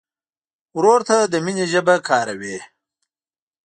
ورور ته د مینې ژبه کاروې.